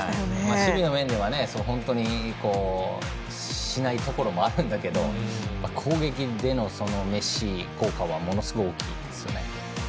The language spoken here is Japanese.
守備の面では本当にしないところもあるんだけど攻撃でのメッシ効果はものすごい大きいですよね。